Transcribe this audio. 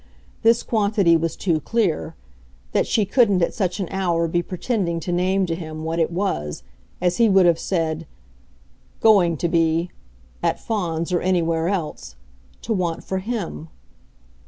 This quantity was too clear that she couldn't at such an hour be pretending to name to him what it was, as he would have said, "going to be," at Fawns or anywhere else, to want for HIM.